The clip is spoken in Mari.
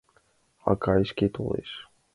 Акай шке толеш.